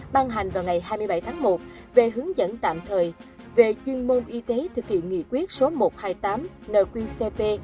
ban hành vào ngày hai mươi bảy tháng một về hướng dẫn tạm thời về chuyên môn y tế thực hiện nghị quyết số một trăm hai mươi tám nqcp